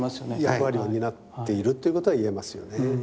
役割を担っているっていうことは言えますよね。